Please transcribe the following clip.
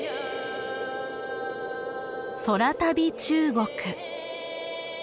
「空旅中国」。